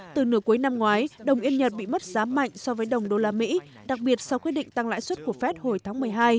từ nửa cuối năm ngoái đồng yên nhật bị mất giá mạnh so với đồng đô la mỹ đặc biệt sau quyết định tăng lãi suất của fed hồi tháng một mươi hai